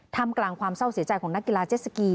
ทำกลางความเศร้าเสียใจของนักกีฬาเจ็ดสกี